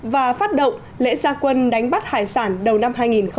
và phát động lễ gia quân đánh bắt hải sản đầu năm hai nghìn một mươi bảy